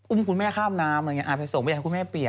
อุ้มคุณแม่ข้ามน้ำอะไรอย่างนี้ไปส่งไปให้คุณแม่เปียบ